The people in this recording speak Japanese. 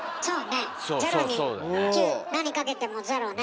０に９何かけても０ね。